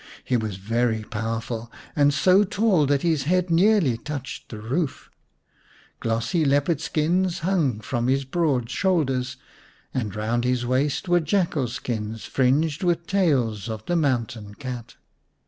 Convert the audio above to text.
He was very powerful, and so tall that his head nearly touched the roof. Glossy leopard skins hung from his broad shoulders, and round his waist were jackal skins fringed with tails of the mountain cat.